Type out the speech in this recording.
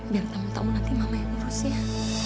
biar tamu tamu nanti mama yang urusnya